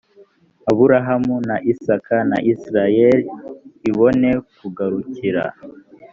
aburahamu na isaka na isirayeli ibone kugarukira